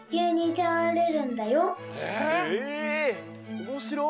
おもしろい！